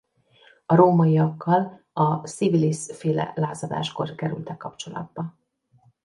A rómaiakkal a Civilis-féle lázadáskor kerültek kapcsolatba.